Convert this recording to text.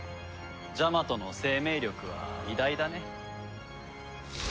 ジャマトの生命力は偉大だね。